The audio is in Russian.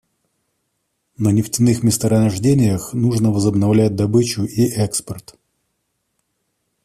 На нефтяных месторождениях нужно возобновлять добычу и экспорт.